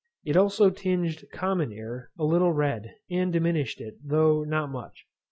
It also tinged common air a little red, and diminished it, though not much.